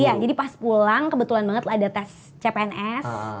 iya jadi pas pulang kebetulan banget ada tes cpns